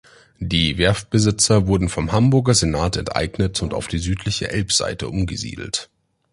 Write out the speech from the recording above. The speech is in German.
Die Werftbesitzer wurden vom Hamburger Senat enteignet und auf die südliche Elbseite umgesiedelt.